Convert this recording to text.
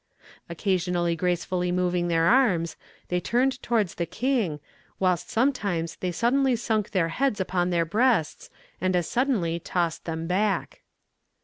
Occasionally gracefully moving their arms, they turned towards the king; whilst sometimes they suddenly sunk their heads upon their breasts, and as suddenly tossed them back.